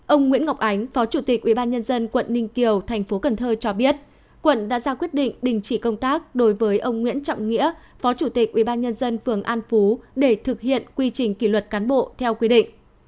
ông nguyễn ngọc ánh phó chủ tịch ubnd quận ninh kiều thành phố cần thơ cho biết quận đã ra quyết định đình chỉ công tác đối với ông nguyễn trọng nghĩa phó chủ tịch ubnd phường an phú để thực hiện quy trình kỷ luật cán bộ theo quy định